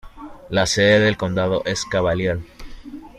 La sede del condado es Cavalier.